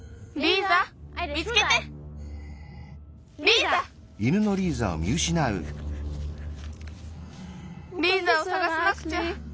リーザをさがさなくちゃ。